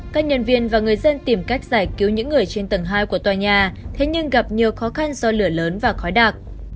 các nhân viên và người dân tìm cách giải cứu những người trên tầng hai của tòa nhà thế nhưng gặp nhiều khó khăn do lửa lớn và khói đạc